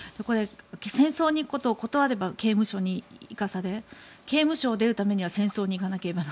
戦争に行くことを断れば刑務所に行かされ刑務所を出るためには戦争に行かされ。